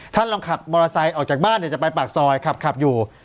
ลองขับมอเตอร์ไซค์ออกจากบ้านจะไปปากซอยขับอยู่